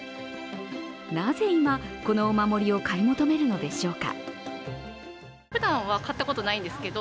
なぜ今、このお守りを買い求めるのでしょうか。